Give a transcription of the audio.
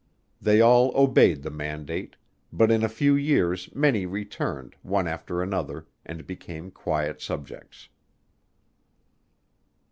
They all obeyed the mandate: but in a few years, many returned, one after another, and became quiet subjects.